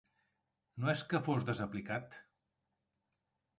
No és que fos desaplicat